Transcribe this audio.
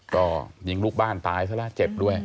ก็ยิงลูกบ้านตายซะแล้วเจ็บด้วย